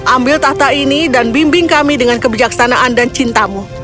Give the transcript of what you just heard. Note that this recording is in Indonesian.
ambil tahta ini dan bimbing kami dengan kebijaksanaan dan cintamu